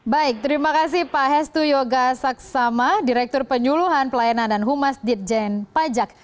baik terima kasih pak hestu yoga saksama direktur penyuluhan pelayanan dan humas dirjen pajak